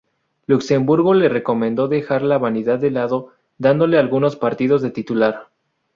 Luxemburgo le recomendó dejar la vanidad de lado, dándole algunos partidos de titular.